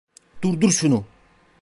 Durdur şunu!